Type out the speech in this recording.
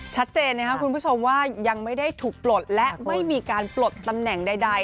ชัดเจนนะครับคุณผู้ชมว่ายังไม่ได้ถูกปลดและไม่มีการปลดตำแหน่งใด